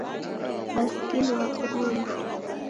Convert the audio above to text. Baskili wapo oiw'a